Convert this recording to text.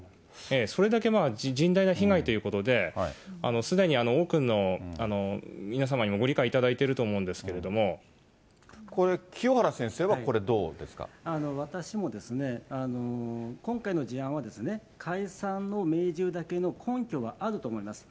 それだけ甚大な被害ということで、すでに多くの皆様にもご理解いただいているとも思うんですけれどこれ、清原先生は、これどう私も、今回の事案は、解散を命じるだけの根拠があると思います。